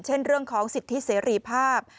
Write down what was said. เรื่องของสิทธิเสรีภาพ